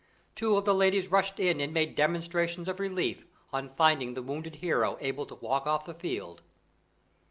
Two of the ladies rushed in and made demonstrations of relief at finding the wounded hero able to walk off the field.